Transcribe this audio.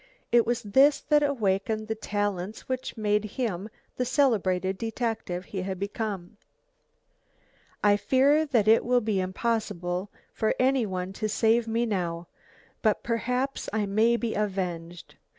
It was this that awakened the talents which made him the celebrated detective he had become. "I fear that it will be impossible for any one to save me now, but perhaps I may be avenged.